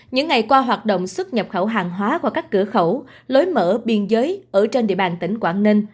những ngày qua hoạt động xuất nhập khẩu hàng hóa qua các cửa khẩu lối mở biên giới ở trên địa bàn tỉnh quảng ninh